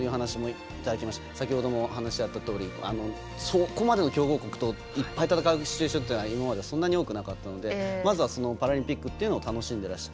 先ほども話、あったとおりそこまで強豪国といっぱい戦うシチュエーションというのは今までそんなに多くなかったのでまずはパラリンピックというものを楽しんでらっしゃる。